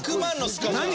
何？